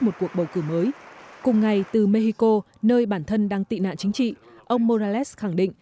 một cuộc bầu cử mới cùng ngày từ mexico nơi bản thân đang tị nạn chính trị ông morales khẳng định